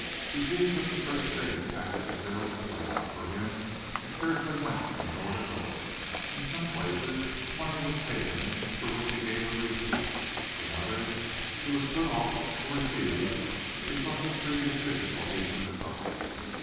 Eugene took the first day's package of bills as laid out for him, and carefully went from door to door. In some places money was paid him for which he gave a receipt, in others he was put off or refused because of previous difficulties with the company.